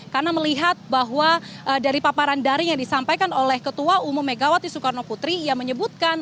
karena melihat bahwa dari paparan dari yang disampaikan oleh ketua umum megawati soekarno putri yang menyebutkan